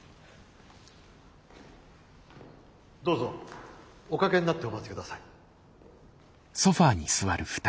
どうぞお掛けになってお待ち下さい。